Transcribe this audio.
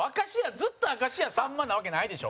ずっと明石家さんまなわけないでしょ？